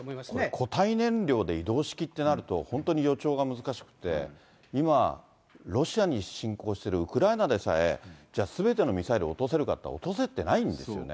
固体燃料で移動式ってなると、本当に予兆が難しくて、今、ロシアに侵攻しているウクライナでさえ、すべてのミサイルを落とせるかっていったら、落とせてないんですよね。